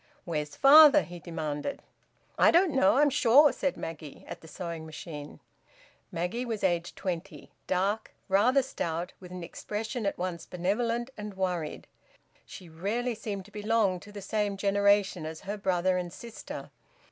"Where's father?" he demanded. "I don't know, I'm sure," said Maggie, at the sewing machine. Maggie was aged twenty; dark, rather stout, with an expression at once benevolent and worried. She rarely seemed to belong to the same generation as her brother and sister.